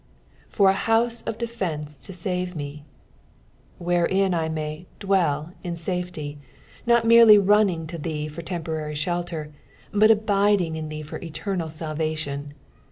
" For aa houte of d^enea to tata me," wherein I may dtrcll in safety, nut merely mnuing to thee for temporary shelter, but abiding in thee for eternal salvation.